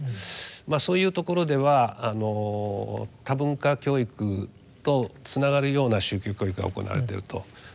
まあそういうところでは多文化教育とつながるような宗教教育が行われていると。